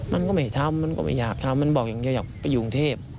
มันก็ไม่ทำมันก็ไม่อยากทำมันบอกอย่างนี้อยากไปอยู่กรุงเทพ